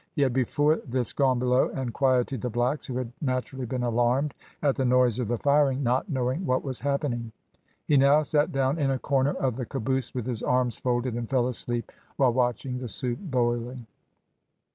He had before this gone below, and quieted the blacks, who had naturally been alarmed at the noise of the firing, not knowing what was happening. He now sat down in a corner of the caboose with his arms folded, and fell asleep while watching the soup boiling.